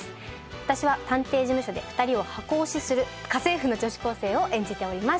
私は探偵事務所で２人を箱推しする家政婦の女子高生を演じております。